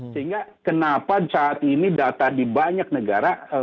sehingga kenapa saat ini data di banyak negara